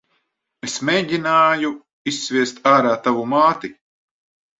Es mēgināju izsviest ārā tavu māti.